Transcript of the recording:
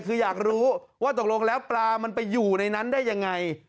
คืออยากรู้ว่าตกลงแล้วปลามันไปอยู่ในนั้นได้ยังไง